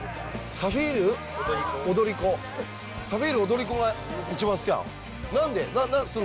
サフィール踊り子が一番好きなの？